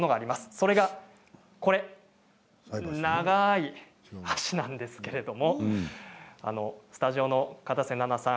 それがこの長い箸なんですけれどもスタジオの片瀬那奈さん